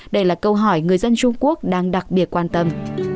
đây là câu hỏi người dân trung quốc đang đặc biệt quan tâm